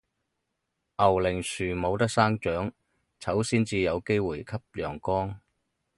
牛令樹冇得生長，草先至有機會吸陽光